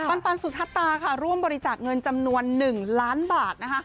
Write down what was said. ปันสุธตาค่ะร่วมบริจาคเงินจำนวน๑ล้านบาท